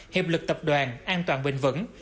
hiệp lực tập đoàn an toàn bình vẩn